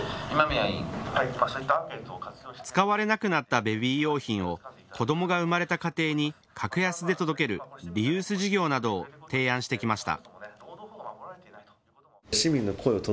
使われなくなったベビー用品を子どもが生まれた家庭に格安で届けるリユース事業などを提案してきました。